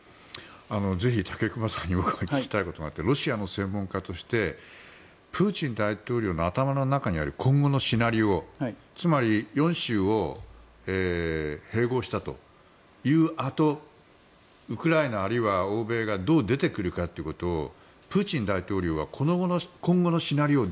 ぜひ武隈さんに聞きたいことがあってロシアの専門家としてプーチン大統領の頭の中にある今後のシナリオつまり、４州を併合したあとウクライナあるいは欧米がどう出てくるかということをプーチン大統領は今後のシナリオを